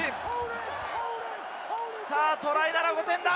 さあ、トライなら５点だ！